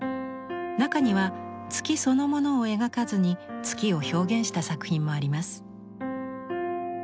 中には月そのものを描かずに月を表現した作品もあります。